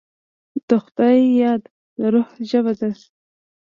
د خدای یاد، د روح ژبه ده.